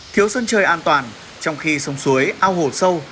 thiếu sân trời an toàn trong khi sông suối ao hồ sâu